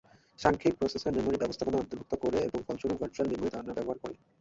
সাংখ্যিক processor memory ব্যবস্থাপনা অন্তর্ভুক্ত করে এবং ফলস্বরূপ ভার্চুয়াল মেমরি ধারণা ব্যবহার করে।